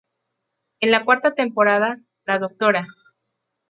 En la cuarta temporada, la Dra.